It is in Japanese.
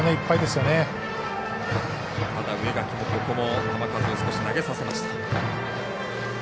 ただ、植垣もここを球数を投げさせました。